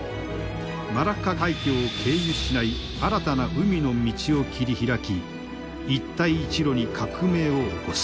マラッカ海峡を経由しない新たな海の道を切り開き一帯一路に革命を起こす。